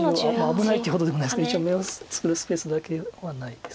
危ないっていうほどでもないですけど一応眼を作るスペースだけはないです。